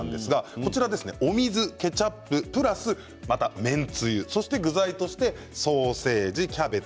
こちらはお水、ケチャッププラス麺つゆ、そして具材としてソーセージ、キャベツ